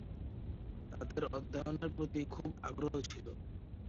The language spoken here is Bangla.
তাদের অধ্যয়নের প্রতি খুব আগ্রহ ছিল।